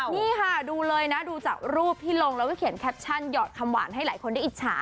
นี่ค่ะดูเลยนะดูจากรูปที่ลงแล้วก็เขียนแคปชั่นหยอดคำหวานให้หลายคนได้อิจฉา